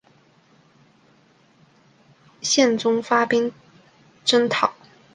宪宗发兵征讨。